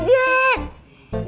lu tuh tenang aja